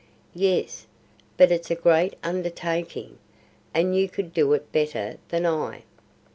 "Yes, but it's a great undertaking, and you could do it better than I."